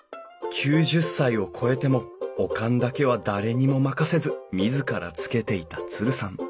９０歳を超えてもお燗だけは誰にも任せず自らつけていたツルさん。